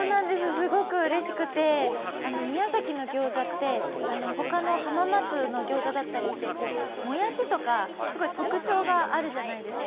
すごくうれしくて宮崎のギョーザってほかの浜松のギョーザだったりって、もやしとか特徴があるじゃないですか。